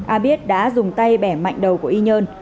a biết đã dùng tay bẻ mạnh đầu của y nhơn